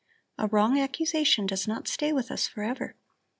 A wrong accusation does not stay with us forever.